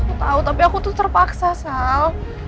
aku tahu tapi aku tuh terpaksa soal